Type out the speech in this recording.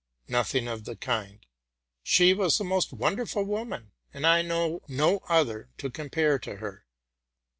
Nothing of the kind. She was the most wonderful woman, and I know no other to compare to her.